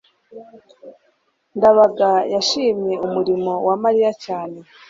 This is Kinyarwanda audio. ndabaga yashimye umurimo wa mariya cyane